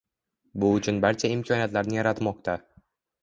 Bu uchun barcha imkoniyatlarni yaratmoqda